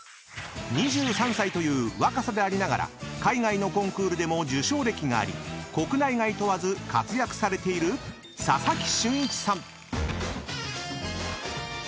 ［２３歳という若さでありながら海外のコンクールでも受賞歴があり国内外問わず活躍されている佐々木俊一さん］